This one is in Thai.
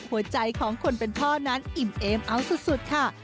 หัวใจของคนเป็นพ่อนั้นอิ่มเอมเอาสุดค่ะ